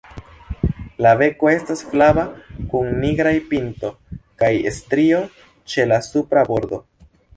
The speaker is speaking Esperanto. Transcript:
La beko estas flava kun nigraj pinto kaj strio ĉe la supra bordo.